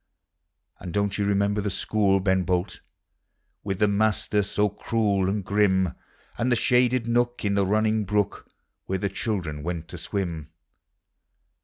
And don't you remember the school, Ben Bolt, With the master so cruel and grim. And the shaded nook in the running brook Where the children went to swim?